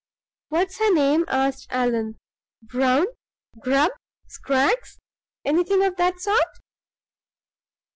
"What is her name?" asked Allan. "Brown? Grubb? Scraggs? Anything of that sort?"